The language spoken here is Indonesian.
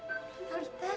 dia sudah berakhir